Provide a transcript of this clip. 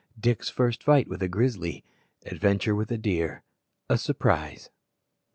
Dick's first fight with a grizzly Adventure with a deer A surprise.